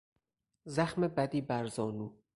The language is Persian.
زخم بدی بر زانو